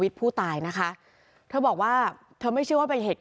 พี่อุ๋ยพ่อจะบอกว่าพ่อจะรับผิดแทนลูก